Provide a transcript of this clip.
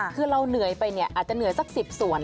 คือเราเหนื่อยไปอาจจะเหนื่อยสักสิบส่วน